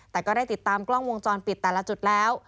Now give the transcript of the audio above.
แต่ก็ได้ติดตามกล้องวงจรปิดแต่ละจุดแล้ว